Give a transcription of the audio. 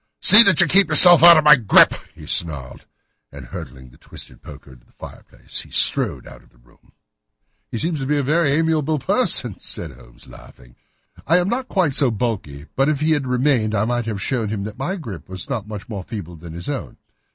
"See that you keep yourself out of my grip," he snarled, and hurling the twisted poker into the fireplace he strode out of the room. "He seems a very amiable person," said Holmes, laughing. "I am not quite so bulky, but if he had remained I might have shown him that my grip was not much more feeble than his own."